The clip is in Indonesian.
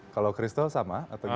kalau crystal sama